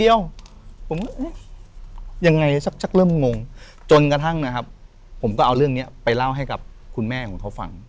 เดี๋ยวผมก็เอ๊ะยังไงสักเริ่มงงจนกระทั่งนะครับผมก็เอาเรื่องนี้ไปเล่าให้กับคุณแม่ของเขาฟัง